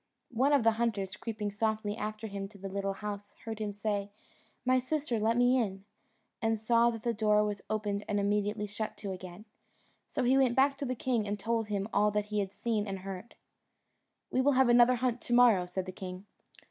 One of the hunters, creeping softly after him to the little house, heard him say, "My sister, let me in," and saw that the door was opened and immediately shut to again; so he went back to the king, and told him all he had seen and heard. "We will have another hunt to morrow," said the king.